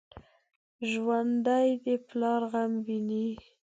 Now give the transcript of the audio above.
ژوندي د پلار غم ویني